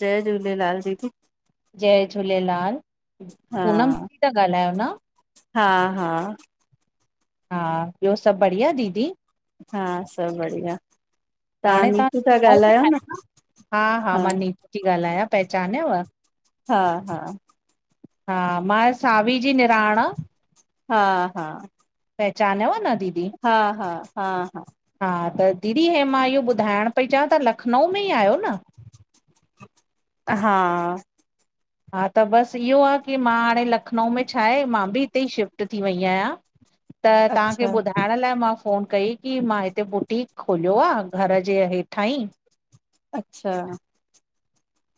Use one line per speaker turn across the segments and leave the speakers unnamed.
जय झूलेलाल दीदी।
जय झूलेलाल।
हा
पूनम ही था ॻाल्हायो न?
हा- हा।
हा ॿियो सभु बढ़िया दीदी
हा सभु बढ़िया तव्हां
हाणे
नीतू सा
तव्हां लखनऊ में
ॻाल्हायो न
आहियो
हा
थी ॻाल्हायां पहचानव
हा हा
हा मां सावी जी निराण
हा हा
पहचानव तह दीदी
हा हा हा हा
हा त दीदी इ मां इहो ॿुधाइण पेई चवां त्हां लखनऊ में ई आहियो न
हा
हा त बस इहो आह की मां हाणे लखनऊ में छा आहे मां बि इते ई श़िफ्ट थी वई आयां। त् तहांखे
अच्छा
ॿुधाण लाए मां फ़ोन कई की मां हिते बुटीक खोलयो आ घर जे हेठां ई!
अच्छा।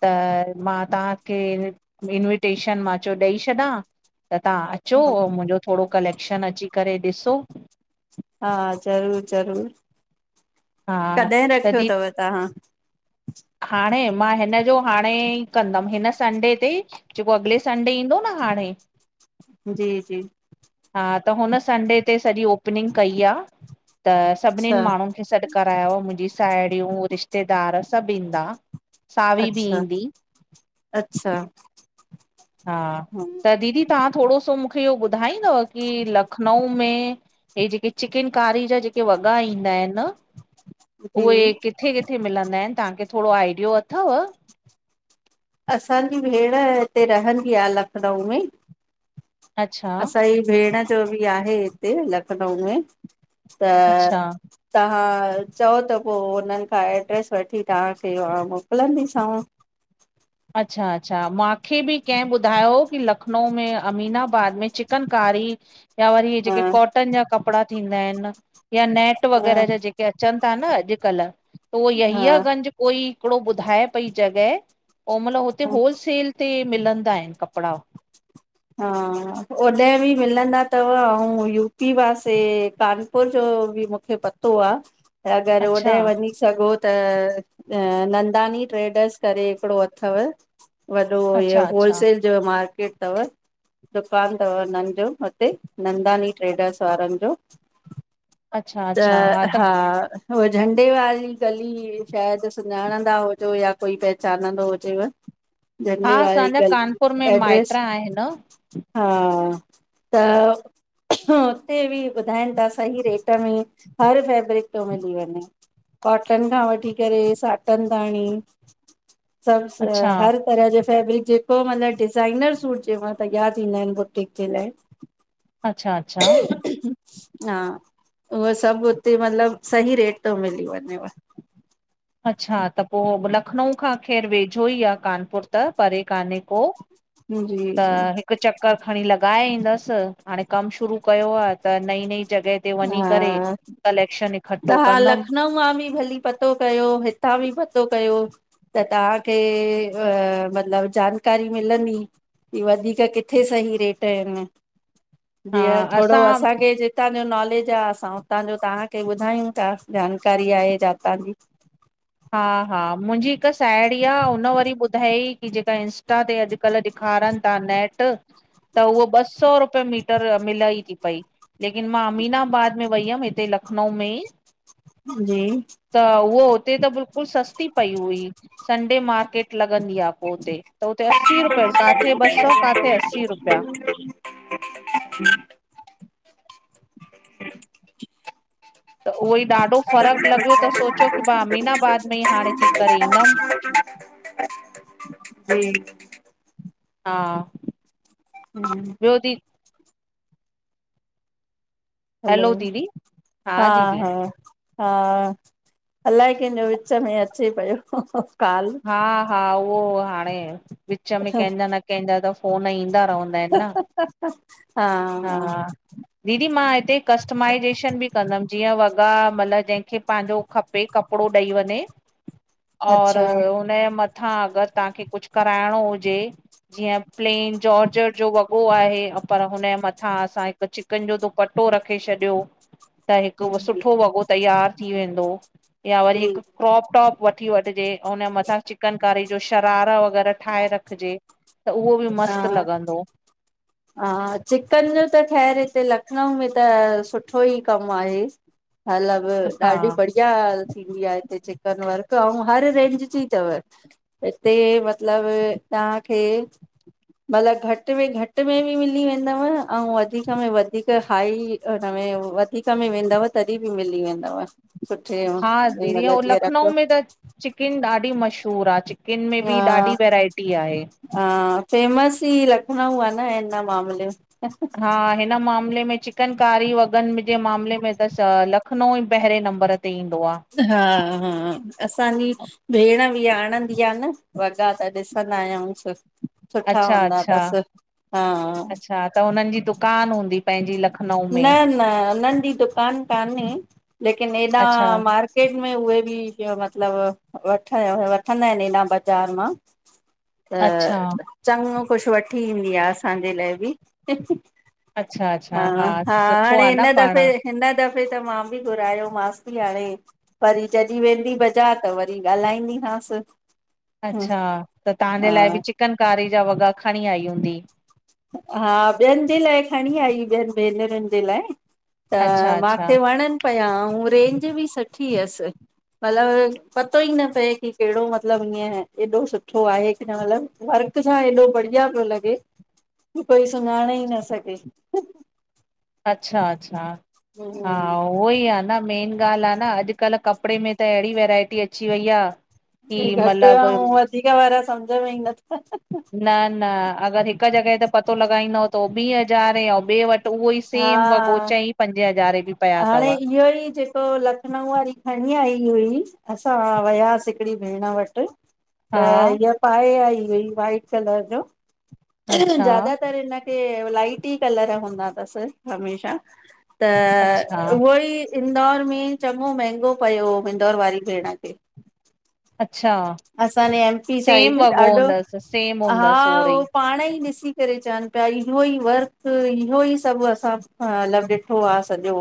त मां तहांखे इन इन्विटेश़न मां च्यो ॾई छॾा त तहां अचो
हा
मुहिंजो थोड़ो कलेक्श़न अची करे ॾिसो।
हा ज़रूर-ज़रूर!
हा आ तदी!
अथव तव्हां
हाणे मां हिन्ज़ो हाणे ई कंदम हिन संडे ते ज़ेको अगले संडे ईंदो न हाणे।
जी-जी
हां त हुन संडे ते सॼी ओपनिंग कई आ त
अच्छा
सभनिन माणूं खे सॾ करायो मुहिंजी साहेड़ियूं, रिश्तेदार सब ईंदा। सावी बि ईंदी
अच्छा-अच्छा।
हा, त दीदी तहां थोड़ो सो मूखे इहो ॿुधाईंदव की लखनऊ में हे ज़ेके चिक़िन कारी जा ज़ेके वॻा ईंदा आयेन
जी
उहे किथे-किथे मिलंदा आए न, तहां खे थोड़ो आइडियो अथव!
असां जी भेण इते रहंदी आह लखनऊ में
अच्छा
असां ई भेण जो बि आहे इते लखनऊ में त
अच्छा
तहां चओ त पो हुनन खां ऐड्रेस वठी तहां खे मोकलंदी सांव।
अच्छा-अच्छा, माख़े बि के ॿुधायो की लखनऊ में अमीनाबाद में चिक़न कारी या वरी
हा
ज़ेके कॉटन जा कपड़ा थींदा आऐं न या नेट
हा
वग़ैरह जा ज़ेक के अच़न था न अॼकल त उहो यहीआं
हा
गंज़ कोई हिकड़ो ॿुधाए पई जग़ह ओम़ल हुते होलसेल ते मिलंदा आहे न कपड़ा।
हा! ओॾे बि मिलंदा तव अउं यूपी पासे कान पुर जो बि मूखे पतो आ त अगर होॾे
अच्छा
वञीं सघ़ो त, अ् नंदानी ट्रेडर्स करे हिकड़ो अथव! वॾो इहो
अच्छा अच्छा
होलसेल जो मार्क़ेट तव। दुकान तव उन्हन जो हुते नंदानी ट्रेडर्स वारन जो।
अच्छा अच्छा हा
त्
त
हां! उअ झंडे वारी गलीं श़ायद सुञाणंदा हुज़ो या कोई पहचानंदो हुजेव।
हा
झंडे
असां
वारी
जा कानपुर में माऐट्र आहें न।
हां त् हुते बि ॿुधाऐन ता सहीं रेट में हर फ़ेब्रिक प्यो मिली वञें। कॉटन खां वठी करे साटन तांणी। सबस
अच्छा
हर तरह जो फ़ेब्रिक ज़ेको मतलब डिज़ाइनर सूट चयो मास! तैयार थिंदा आहिन बुटीक जे लाए।
अच्छा-अच्छा।
[unintelligible] हा उह सब हूते मतलब सही रेट तो मिली वञेव।
अच्छा, त पो लखनऊ खां ख़ैर वेझो ई आ कानपुर त परे काने को‌।
जी
त
जी
हिक़ चक़ क्कर खणी लगाए ईंदस, हाणे कम शुरू कयो आ त नई-नई जगहें
हा! तहां
कंदमि
लखनऊ मा बि भली पतो कयो, हितां बि पतो कयो। त तव्हांखे मतलब जानकारी मिलंदी कि वधीक किथे सही रेट आहिनि।
हा
जीअं थोरो
असां
असांखे जे उतां जो नॉलेज आहे असां उतां जो तव्हांखे ॿुधायूं था जानकारी आहे जातां जी।
हा हा मुंहिंजी हिकु साहेड़ी आहे हुन वरी ॿुधाई की जेका इंस्टा ते अॼ अॼकल्ह ॾेखारन था नेट त उहो ॿ सौ रुपये मीटर मिले ई थी पई। लेकिन मां अमीनाबाद में वई हुअमि हिते लखनऊ में ई
जी।
त उहो हुते त बिल्कुल सस्ती पई हुई। संडे मार्केट लॻंदी आहे पो हुते। त हुते असी रुपये, किथे ॿ सौ किथे अस्सी रुपया।
[inaudible]
त उहो ई ॾाढो फ़र्क़ु लॻियो त सोचियो की मां अमीनाबाद में ई हाणे थी करे ईंदमि
[unintelligible] जी।
हा।
हम्म
ॿियो दी
हलो,
हैलो दीदी
हा हा हा, अलाए कंहिंजो विच में अचे पयो कॉल।
हा हा उहो हाणे विच में कंहिंजा न कंहिंजा त फ़ोन ईंदा रहंदा आहिनि न
हा।
हा दीदी मां हिते कस्टमाइज़ेशन बि कंदम जीअं वॻा मतलब जंहिंखे पंहिंजो खपे कपड़ो ॾेई वञे और
अच्छा।
हुनजे मथां अगर तव्हांखे कुझु कराइणो हुजे जीअं प्लेन जॉर्जट जो वॻो आहे पर हुनजे मथां असां त चिकन जो दुपटो रखे छॾियो। त हिक
जी
सुठो वॻो तैयार थी वेंदो, या वरी
जी
हिक क्रॉप टॉप वठी वठजे ऐं हुन जे मथां चिकन कारी जो शरारा वग़ैरह ठाहे रखजे त उहो बि मस्तु
हा
लॻंदो।
हा चिकन जो त ख़ैरु हिते लखनऊ में त सुठो ई कमु आहे। मतलब
हा
ॾाढी बड़ी जाल थींदी आहे हिते चिकन वर्क अऊं हर रेंज जी अथव। हिते मतलब तव्हांखे मतलबु घट में घट घट में बि मिली वेंदव ऐं वधीक में वधीक हाई हुन में वधीक में वेंदव तॾहिं बि मिली वेंदव। सुठे जंहिं महिल जीअं रखो।
चिकन ॾाढी मशहूर आहे। चिकन में
हा
बि ॾाढी वैरायटी आहे।
हा फेमस ई लखनऊ आहे न हिन मामले में।
हा हिन मामले में चिकन कारी वॻन जे मामले में त लखनऊ ई पहिरे नंबर ते ईंदो आहे।
हा हा असांजी भेण बि आणंदी आहे न वॻा त ॾिसंदा आयूंस। सुठा
अच्छा
हूंदा
अच्छा
अथसि। हा
अच्छा त हुननि जी दुकान हूंदी पंहिंजी ल
न न उन्हनि जी दुकान कान्हे, लेकिन ऐॾा
अच्छा
मार्केट मार्केट में उहे मतलब वठंदा आहिनि हेॾा बाज़ार मां
अच्छा
त चङो कुछ वठी ईंदी आहे असांजे लाइ बि।
अच्छा अच्छा हा।
हा
सुठो
हाणे
आ न
हिन
पाण
दफ़े हिन दफ़े त मां बि घुरायो मांस ती हाणे वरी जॾहिं वेंदी बाज़ार त वरी ॻाल्हाईंदीमास
अच्छा त तव्हांजे लाइ बि चिकन कारी जा वॻा खणी आई हूंदी
हा ॿियन जे लाइ खणी आई ॿियन भेनरुन जे लाए त
अच्छा अच्छा
मूंखे वणेन पिया ऐं रेंज बि सुठी हुयस मतलबु पतो ई न पए की केहिड़ो मतलबु ईअं एॾो सुठो आहे की न मतलबु वर्क सां एॾो बढ़िया पियो लॻे त कोई सुञाणे ई न सघे
अच्छा अच्छा
हुं
हा उहोई आ न मेन ॻाल्ह आ न अॼकल्ह कपिड़े में त एहिड़ी वेरायटी अची वई आ की
कि घट
मतलब
ऐं वधिक वारा समझ में ई नथा
न न अॻर हिक जॻहि ते पतो लॻाईंदव त उ बी हज़ारे आउ ॿे वट त उहो ई
हा
सेम वॻो चईं पंजे हज़ारे भी पया
हाणे
अथव
इहो ई थिए तो लख लखनऊ वारी खणी आई हुई असां वयासीं हिकड़ी भेण वट
हा
त हीअ पाए आई हुई वाइट कलर जो
अच्छा
ज्यादातर हिनखे लाइट ई कलर हूंदा तस हमेशा त
अच्छा
उहो ई इंदौर में चंगो महंगो पयो हुओ इंदौर वारी भेण खे
अच्छा
असांजे एम पी साइड
सेम वॻो
ॾाढो
हूंदसि सेम हूंदसि
हा
ओड़ो
उहो
ई
पाणेई ॾिसी करे चवेन पया इहो ई वर्क इहो ई सभु असां मतलबु ॾिठो आहे सॼो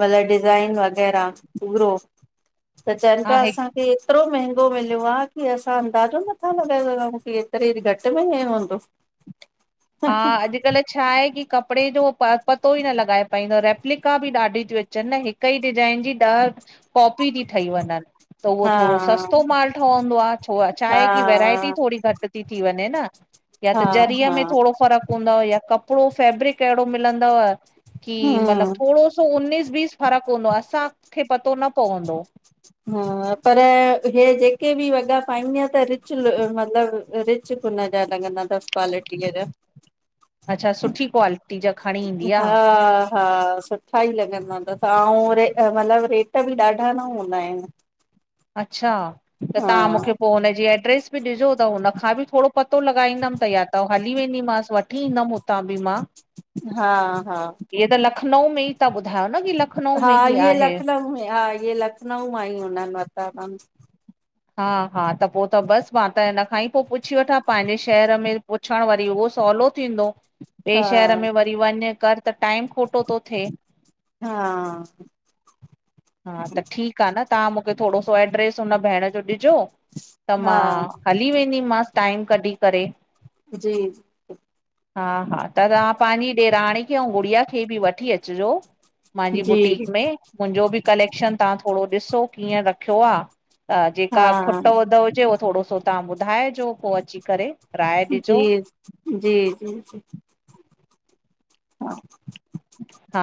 मतलबु डिज़ाइन वग़ैरह पूरो त चवेन
हा
पिया
हिक
असांखे एतरो महंगो मिल मिलयो आ कि असां अंदाज़ो नथा लॻाए सिघउं की एतरे घटि में ईंय हूंदो
हा अॼकल्ह छा आहे की कपिड़े जो पतो ई न लॻाए पाईंदव रेप्लिका बी ॾाढी तियूं हिन हिकु ई डिजाइन जी ॾह कॉपी थी ठही वञन त उहो
हा
थोरो सस्तो माल ठहंदो आ छो छाहे की
हा
वैरायटी थोरी घट ती थी वञे न या
हा
त ज़रिय
हा
में फर्क हुंदव या कपिड़ो फेब्रिक एहिड़ो मिलंदुव की मतलबु
हम्म
थोरो सो सो उन्नीस बीस फ़र्क हूंदो असांखे पतो न पवंदो
हा पर हे जेके बि वॻा पाईंदिआं त रिच मतलबु रिच लुक जा लगंदा तस क्वालिटीय जा
अच्छा सुठी क्वालिटी जा खणी ईंदी आ।
हा हा सुठा ई लॻंदा तस ऐं रे मतलबु रेट बि ॾाढा न हूंदा आहिन
अच्छा त तव्हां मूंखे पोई हुनजी एड्रेस बि ॾिजो त हुन खां बि थोरो पतो लॻाईंदम त या त हली वेंदीमास वठी ईंदम हुतां बि मां
हा हा
या त लखनऊ में ई ता ॿधायो न लख
हा इहे लखनऊ में हा इहे लखनऊ मां ही हुननि वठता तउं
हा हा त पोई त बस मां त हिन खां ई पोई पुछी वठां पंहिंजे शहर में पुछण वरी उहो सवलो थींदो ॿिए शहर में वरी वञु कर त टाइम खोटो तो थिए
हा
हा त ठीक आहे न तव्हां मूंखे थोरो सो एड्रेस हुन भेण जो ॾिजो। त मां
हा
हली वेंदीमस टाइम कढी करे।
जी।
हा, हा, त तव्हां पंहिंजी ॾेराणी खे ऐं गुड़िया खे बि वठी अचजो। मुंहिंजो
जी
बुटीक में मुंहिंजो बि कलेक्शन तव्हां थोरो ॾिसो कीअं रखियो आ। त जेका
हा
खुट वधद हुजे, उहो थोरो सो तव्हां ॿुधाइजो, पोइ अची करे‌।
जी, जी। [unintelligible]
हा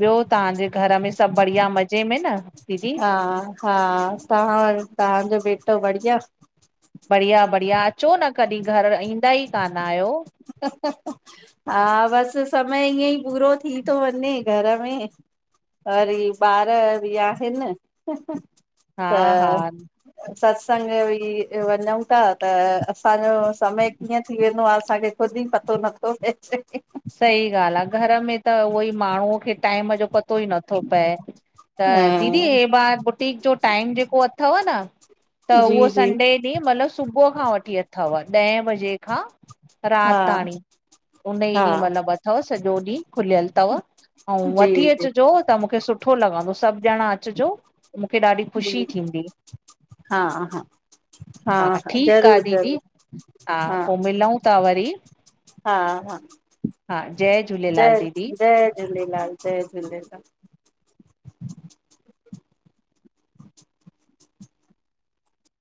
ॿियो, तव्हांजे घर में सभु बढ़िया मज़े में न? दीदी
हा, हा, तव्हां, तव्हांजो बेटो बढ़िया?
बढ़िया, बढ़िया, अचो न कॾहिं घर, ईंदा ई कान आहियो।
हह, हह। हा, बसि समय ईअं ई पूरो थी थो वञे, घर में। वरी ॿार बि आहिनि?
हा हा
त। सत्संग बि वञू था त, असांजो समय। कीअं थी वेंदो आ। असांखे ख़ुदि ई पतो नथो पईजे।
सही ॻाल्हि आ। घर में त उहोई माण्हूअ खे टाइम जो पतो ई नथो पए। त
हा
दीदी, हे ॿार बुटीक जो टाइम जेको अथव न? त
जी
उहो
जी
संडे। ॾीह मतलबु सुबुह खां वठी अथव ॾहें बजे खां
हा
रात ताणी, उन ई।
हा
इय मतिलबु अथव सञो ढिह खुल्यल तव्। अंउ
जी
वठी
जी
अचजो, त् मुखे सू सुठो लॻंदो, सभु ॼणा अचिजो। मूंखे ॾाढी ख़ुशी
जी
थीन्दी।
हा, हा। हा, हा,
ठीकु
ज़रूर,
आहे दीदी
ज़रूर हा।
पोइ मिलूं था वरी
हा, हा।
हा जय झूलेलाल
जय,
दीदी
जय झूलेलाल, जय झूलेलाल‌।